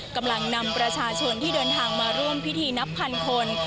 กำลังนำประชาชนที่เดินทางมาร่วมพิธีนับพันคน